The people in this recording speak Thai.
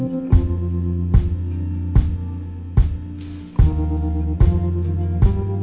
เดี๋ยวไม่ใช่ลองส่งตั้งอย่างนี้ด้วยหรอ